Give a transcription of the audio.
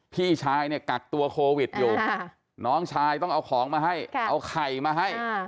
พี่ชายเนี่ยกักตัวโควิดอยู่น้องชายต้องเอาของมาให้เอาไข่มาให้